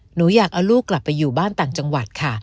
หนูอยากเอาลูกกลับไปอยู่บ้านต่างจังหวัดค่ะ